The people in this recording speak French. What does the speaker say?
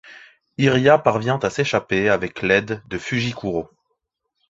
Iria parvient à s'échapper avec l'aide de Fujikuro.